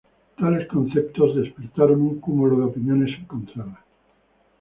Tales conceptos despertaron un cúmulo de opiniones encontradas.